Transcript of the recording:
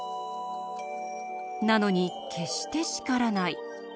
なのに決して叱らない。